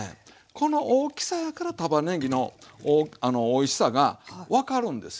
この大きさやからたまねぎのおいしさが分かるんですよ。